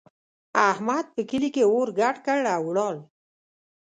احمد په کلي کې اور ګډ کړ او ولاړ.